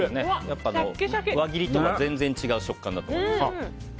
輪切りとは全然違う食感だと思います。